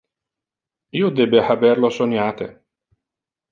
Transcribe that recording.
Io debe haber lo soniate.